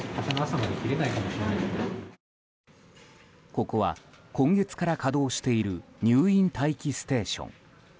ここは今月から稼働している入院待機ステーション。